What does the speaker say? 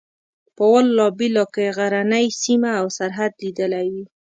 په والله بالله که یې غزنۍ سیمه او سرحد لیدلی وي.